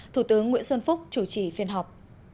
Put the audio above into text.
thủ tướng nguyễn xuân phúc chủ trì phiên họp